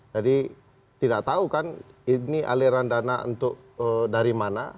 jadi tidak tahu kan ini aliran dana untuk dari mana